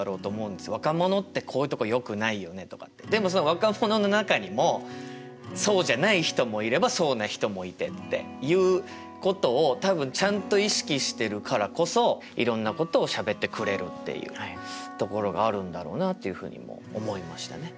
「若者ってこういうとこよくないよね」とかって。でもその若者の中にもそうじゃない人もいればそうな人もいてっていうことを多分ちゃんと意識してるからこそいろんなことをしゃべってくれるっていうところがあるんだろうなっていうふうにも思いましたね。